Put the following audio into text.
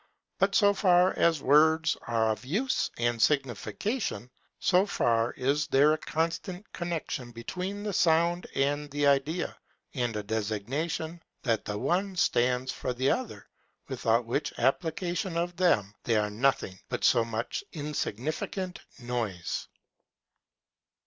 But so far as words are of use and signification, so far is there a constant connexion between the sound and the idea, and a designation that the one stands for the other; without which application of them, they are nothing but so much insignificant noise.